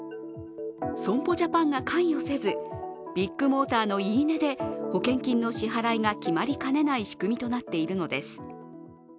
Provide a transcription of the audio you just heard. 損保ジャパンが関与せずビッグモーターの言い値で保険金の支払いが決まりかねない仕組みとなっているのです。